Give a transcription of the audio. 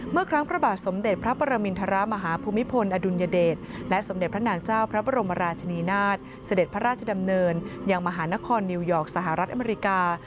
เมื่อครั้งพระบาทสมเด็จพระปรมินทรมาฮภูมิพลอดุลยเดชและสมเด็จพระนางเจ้าพระบรมราชนีนาฏเสด็จพระราชดำเนินยังมหานครนิวยอร์กสหรัฐอเมริกา